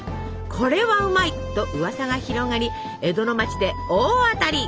「これはうまい！」とうわさが広がり江戸の町で大当たり！